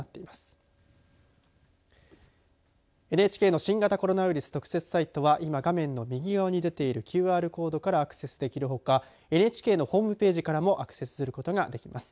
ＮＨＫの新型コロナウイルス特設サイトは今画面の右側に出ているＱＲコードからアクセスできるほかＮＨＫのホームページからもアクセスすることができます。